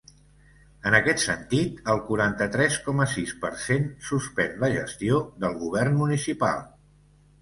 En aquest sentit, el quaranta-tres coma sis per cent suspèn la gestió del govern municipal.